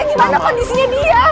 gimana kondisinya dia